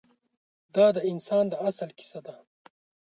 دا د انسان د اصل کیسه ده.